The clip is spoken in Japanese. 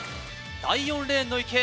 第４レーンの池江。